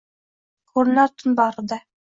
Ko’rinar tun bag’rida.